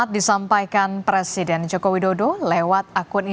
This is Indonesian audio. tapi kita harus bergabung